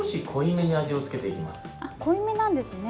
なので濃いめなんですね。